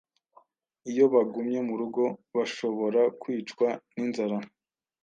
iyo bagumye mu rugo, bashobora kwicwa n'inzara;